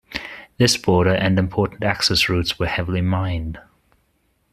This border and important access routes were heavily mined.